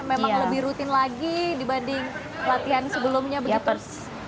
memang lebih rutin lagi dibanding latihan sebelumnya begitu